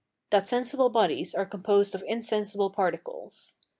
That sensible bodies are composed of insensible particles.